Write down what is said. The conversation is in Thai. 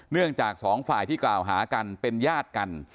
เนื่องจาก๒ฝ่ายที่กล่าวหากันเป็นญาติกัน